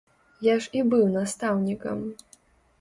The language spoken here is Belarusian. Я ж і быў настаўнікам!